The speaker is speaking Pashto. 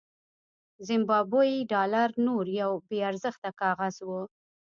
زیمبابويي ډالر نور یو بې ارزښته کاغذ و.